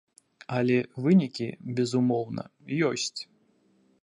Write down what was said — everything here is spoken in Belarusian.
Але вынікі, безумоўна, ёсць.